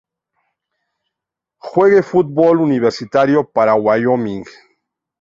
Juegue fútbol universitario para Wyoming.